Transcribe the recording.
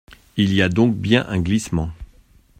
Il y a donc bien un glissement.